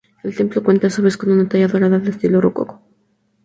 El templo cuenta a su vez con una talla dorada de estilo Rococó.